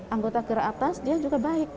anggota gerak atas dia juga baik